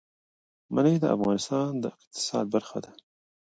منی د افغانستان د اقتصاد برخه ده.